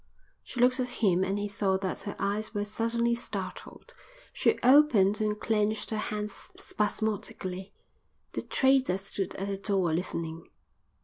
She looked at him and he saw that her eyes were suddenly startled. She opened and clenched her hands spasmodically. The trader stood at the door, listening.